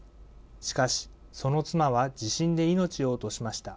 しかし、その妻は地震で命を落としました。